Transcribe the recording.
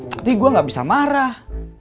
tapi gue gak bisa marah